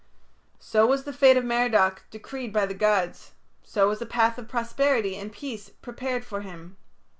So was the fate of Merodach decreed by the gods; so was a path of prosperity and peace prepared for him.